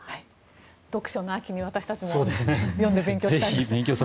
読書の秋に私たちも読んで勉強したいです。